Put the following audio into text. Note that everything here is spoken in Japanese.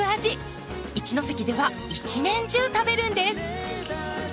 一関では一年中食べるんです。